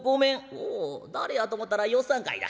「おお誰やと思ったらよっさんかいな。